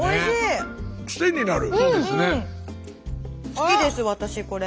好きです私これ。